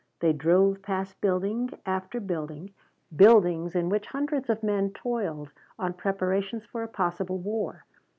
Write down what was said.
They drove past building after building, buildings in which hundreds of men toiled on preparations for a possible war.